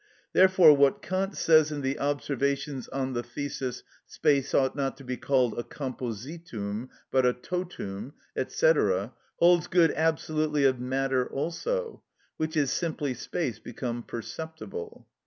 Therefore what Kant says in the observations on the thesis, "Space ought not to be called a compositum, but a totum," &c., holds good absolutely of matter also, which is simply space become perceptible.